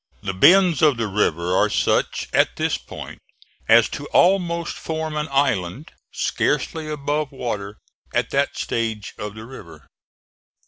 The bends of the rivers are such at this point as to almost form an island, scarcely above water at that stage of the river.